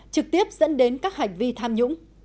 trực tiếp dẫn đến các hành vi tham nhũng